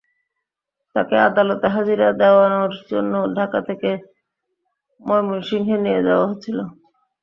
তাঁকে আদালতে হাজিরা দেওয়ানোর জন্য ঢাকা থেকে ময়মনসিংহে নিয়ে যাওয়া হচ্ছিল।